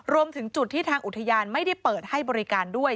รวมถึงจุดที่ทางอุทยานไม่ได้เปิดให้บริการด้วย